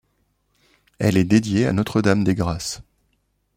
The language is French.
Elle est dédiée à Notre-Dame des Grâces.